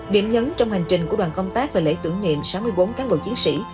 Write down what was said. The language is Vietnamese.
điểm nhấn trong hành trình của đoàn công tác là lễ tưởng niệm sáu mươi bốn cán bộ chiến sĩ